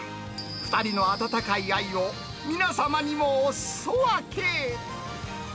２人の温かい愛を、皆様にもおすそ分け。